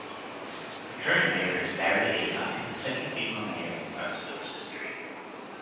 The current mayor is Barrie Aycock, the second female mayor in Clarkesville's history.